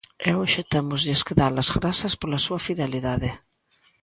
E hoxe témoslles que dar as grazas pola súa fidelidade.